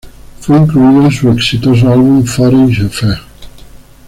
Fue incluido en su exitoso álbum "Foreign Affair".